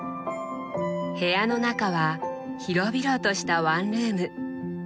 部屋の中は広々としたワンルーム。